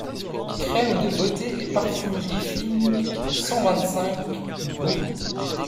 Crème de beauté et parfumerie fine cent vingt-cinq, boul.